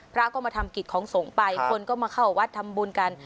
พระก็มาทำกิจของสงฆ์ไปคนก็มาเข้าวัดทำบุญกัน